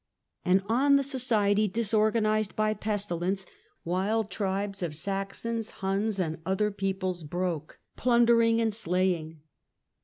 And on the society disorganised by pestilence, wild tribes of Saxons, Huns and other peoples broke, plundering and slaying.